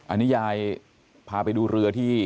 อันนี้ยายพาไปดูเรือที่